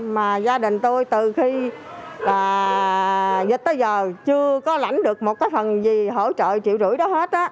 mà gia đình tôi từ khi là tới giờ chưa có lãnh được một cái phần gì hỗ trợ triệu rưỡi đó hết